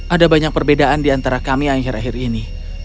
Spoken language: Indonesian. ada banyak perbedaan di antara kami akhir akhir ini